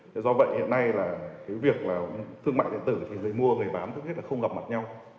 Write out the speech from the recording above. do vậy hiện nay là việc thương mại điện tử thì người mua người bán thứ hết là không gặp mặt nhau